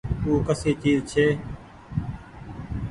او ڪسي چئيز ڇي۔